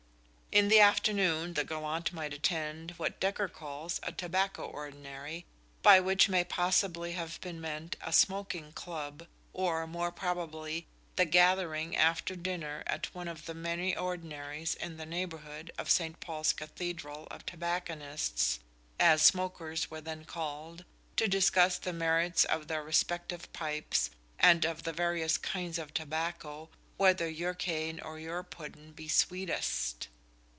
In the afternoon the gallant might attend what Dekker calls a "Tobacco ordinary," by which may possibly have been meant a smoking club, or, more probably, the gathering after dinner at one of the many ordinaries in the neighbourhood of St. Paul's Cathedral of "tobacconists," as smokers were then called, to discuss the merits of their respective pipes, and of the various kinds of tobacco "whether your Cane or your Pudding be sweetest."